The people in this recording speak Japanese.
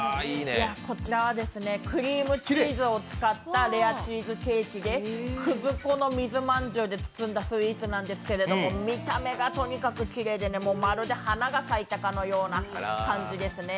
こちらはですね、クリームチーズを使ったレアチーズケーキでくず粉の水まんじゅうで包んだスイーツなんですけど、見た目がとにかくきれいでまるで花が咲いたかのような感じですね。